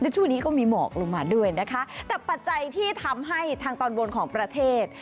ช่วงนี้ก็มีหมอกลงมาด้วยนะคะแต่ปัจจัยที่ทำให้ทางตอนบนของประเทศ